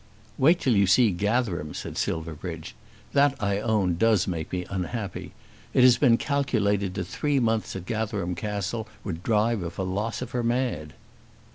"Wait till you see Gatherum," said Silverbridge. "That, I own, does make me unhappy. It has been calculated that three months at Gatherum Castle would drive a philosopher mad."